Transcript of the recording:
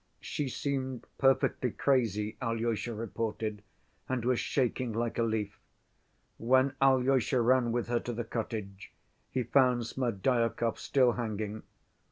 She seemed perfectly crazy, Alyosha reported, and was shaking like a leaf. When Alyosha ran with her to the cottage, he found Smerdyakov still hanging.